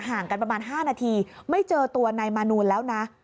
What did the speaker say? ห่างกันประมาณ๕นาทีไม่เจอตัวนายมานูลแล้วนะ